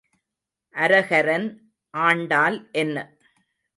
அரகரன் ஆண்டால் என்ன?